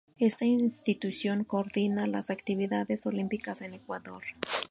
Esta institución coordina las actividades olímpicas en Ecuador.